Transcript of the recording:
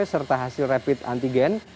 serta hasil rapid antigen